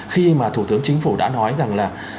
khi mà thủ tướng chính phủ đã nói rằng là